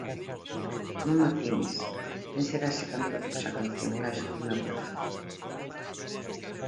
Non matines: quen será este cantor cuxa canción cae sobre o meu corazón?